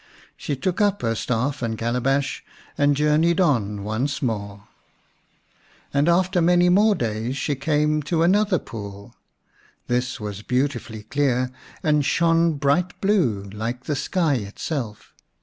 She took up her staff and calabash and journeyed on once more. And after many more days she came to another pool. This was beautifully clear, and shone bright blue, like the sky itself.